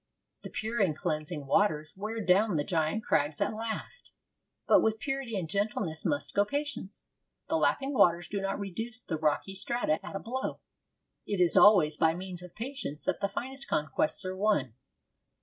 The pure and cleansing waters wear down the giant crags at the last. But with purity and gentleness must go patience. The lapping waters do not reduce the rocky strata at a blow. It is always by means of patience that the finest conquests are won.